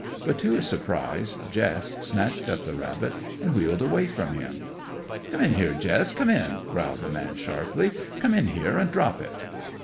But to his surprise Jess snatched up the rabbit and wheeled away from him. "Come in here, Jess! Come in!" growled the man sharply. "Come in here, an' drop it."